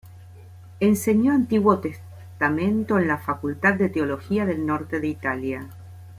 Enseñó Antiguo Testamento en la Facultad de Teología del Norte de Italia.